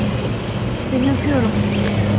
Seni öpüyorum.